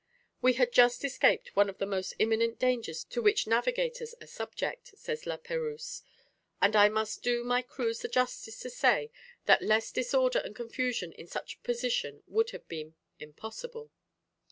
"We had just escaped one of the most imminent dangers to which navigators are subject," says La Perouse, "and I must do my crews the justice to say that less disorder and confusion in such a position would have been impossible.